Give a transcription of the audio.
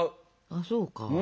あそうか。